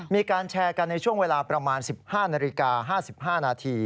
มีการแชร์กันในช่วงเวลาประมาณ๑๕นาฬิกา๕๕นาที